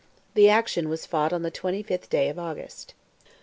The action was fought on the 25th day of August.